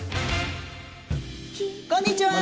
こんにちは。